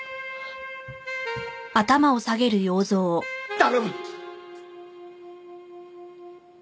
頼む！